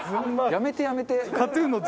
やめてやめて。